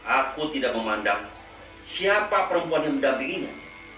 aku tidak memandang siapa perempuan yang mendampinginya